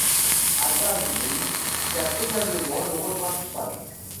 Adam Green tient également le rôle principal.